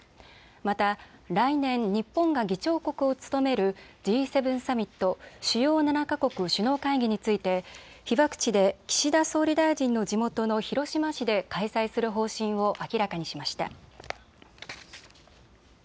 また来年、日本が議長国を務めるＧ７サミット・主要７か国首脳会議について被爆地で岸田総理大臣の地元の広島市で開催する方針を明らかにしました。